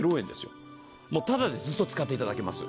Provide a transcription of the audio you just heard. もうただでずっと使っていただけます。